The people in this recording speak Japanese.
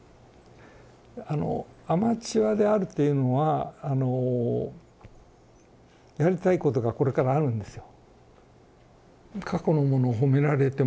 あのアマチュアであるというのはあのやりたいことがこれからあるんですよ。